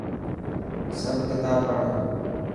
سب ڪتاب پڙهه.